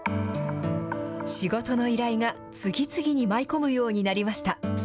仕事の依頼が次々の舞い込むようになりました。